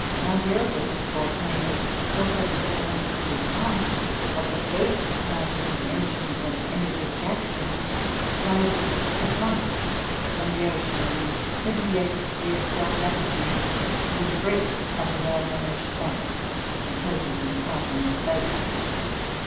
Mount Erebus, a volcano 12,400 feet high, of the first class in dimensions and energetic action, rises at once from the ocean in the seventy eighth degree of south latitude, and abreast of the Diatomaceoe bank, which reposes in part on its base.